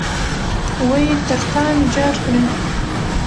وئ ! تر تامي جار کړې